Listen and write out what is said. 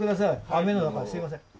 雨の中すいません。